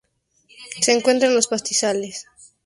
Se encuentra en los pastizales.